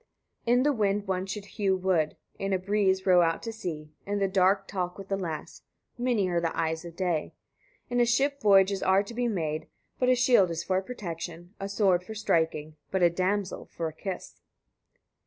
82. In the wind one should hew wood, in a breeze row out to sea, in the dark talk with a lass: many are the eyes of day. In a ship voyages are to be made, but a shield is for protection, a sword for striking, but a damsel for a kiss.